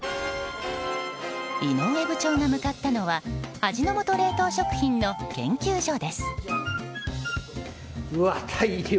井上部長が向かったのは味の素冷凍食品の研究所です。